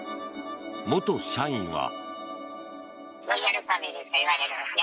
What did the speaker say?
元社員は。